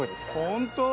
本当？